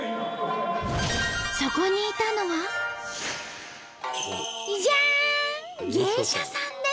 そこにいたのはじゃん！